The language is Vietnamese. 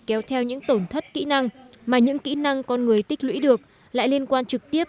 kéo theo những tổn thất kỹ năng mà những kỹ năng con người tích lũy được lại liên quan trực tiếp